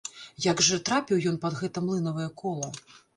Як жа трапіў ён пад гэта млынавае кола?!